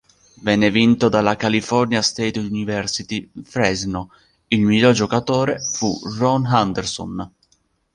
Venne vinto dalla California State University, Fresno; il miglior giocatore fu Ron Anderson.